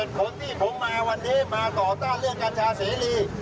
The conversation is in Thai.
ผมที่ผมมาวันนี้มาต่อต้านเรื่องกัญชาเสรี